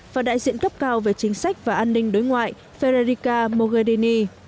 và đại diện cấp cao về chính sách và an ninh đối ngoại federica mogherini